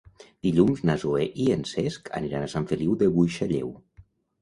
Dilluns na Zoè i en Cesc aniran a Sant Feliu de Buixalleu.